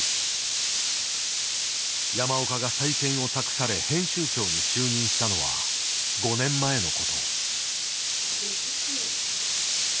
山岡が再建を託され編集長に就任したのは５年前のこと。